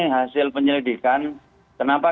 hasil penyelidikan kenapa